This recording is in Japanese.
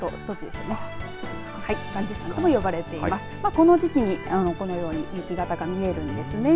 この時期にこのように雪のとけ方が見えるんですね。